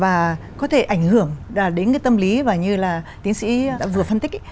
và có thể ảnh hưởng đến cái tâm lý và như là tiến sĩ đã vừa phân tích ấy